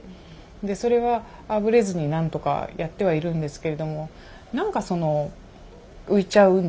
でそれはあぶれずになんとかやってはいるんですけれども何かその浮いちゃうんですよね。